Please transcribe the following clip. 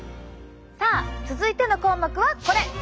さあ続いての項目はこれ！